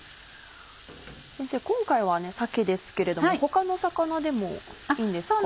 先生今回は鮭ですけれども他の魚でもいいんですか？